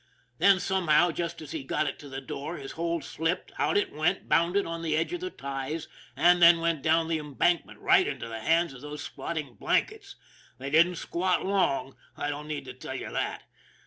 Then, some how, just as he got it to the door, his hold slipped, out it went, bounded on the edge of the ties, and then went down the embankment right into the hands of those squatting " blankets." They didn't squat long; I don't need to tell you that.